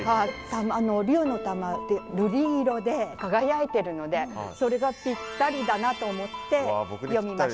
竜の玉って瑠璃色で輝いてるのでそれがぴったりだなと思って詠みました。